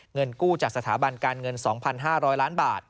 เงินกู้จากสถาบันการเงิน๒๕๐๐ล้านบาท